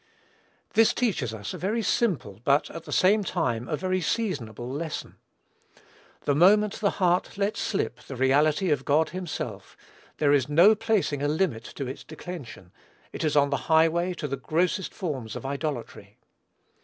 This teaches us a very simple, but, at the same time, a very seasonable lesson. The moment the heart lets slip the reality of God himself, there is no placing a limit to its declension; it is on the highway to the grossest forms of idolatry.